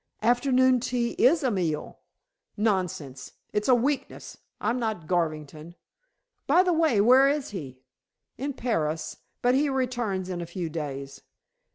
"Afternoon tea is a meal." "Nonsense. It's a weakness. I'm not Garvington. By the way, where is he?" "In Paris, but he returns in a few days."